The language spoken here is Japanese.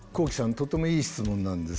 とてもいい質問なんです。